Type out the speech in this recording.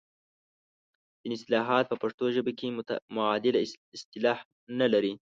ځینې اصطلاحات په پښتو ژبه کې معادله اصطلاح نه لري.